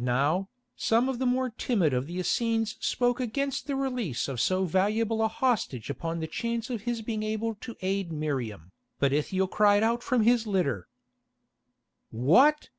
Now, some of the more timid of the Essenes spoke against the release of so valuable a hostage upon the chance of his being able to aid Miriam, but Ithiel cried from his litter: "What!